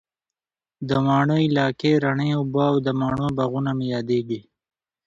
د واڼه علاقې رڼې اوبه او د مڼو باغونه مي ياديږي